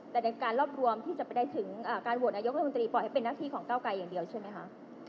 แต่ในการรวบรวมที่จะไปได้ถึงการโหวตนายกรัฐมนตรีปล่อยให้เป็นหน้าที่ของเก้าไกลอย่างเดียวใช่ไหมคะ